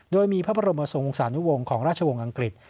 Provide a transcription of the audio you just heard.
โดยมีพระบรมทรงองศานุวงศ์ของราชวงศ์อังกฤษ